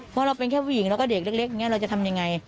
เพราะเราเป็นแค่ผู้หญิงแล้วก็เด็กเล็กอย่างนี้เราจะทำยังไง